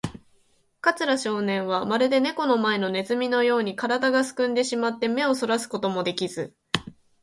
桂少年は、まるでネコの前のネズミのように、からだがすくんでしまって、目をそらすこともできず、